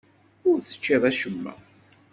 Ur teččiḍ acemma.